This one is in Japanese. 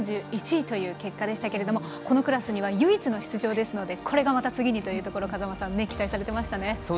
３１位という結果でしたがこのクラスには唯一の出場ですのでこれがまた、次にというところ風間さんは期待されていましたね。